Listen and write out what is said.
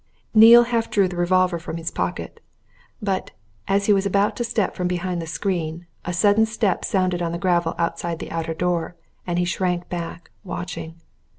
Neale half drew the revolver from his pocket. But, as he was about to step from behind the screen, a sudden step sounded on the gravel outside the outer door, and he shrank back, watching.